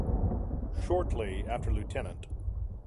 Shortly after Lieut.